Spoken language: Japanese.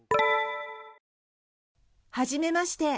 はじめまして。